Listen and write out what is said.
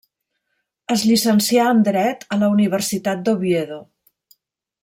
Es llicencià en dret a la Universitat d'Oviedo.